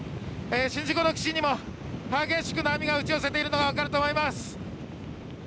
宍道湖の岸にも激しく波が打ちつけているのが分かると思います。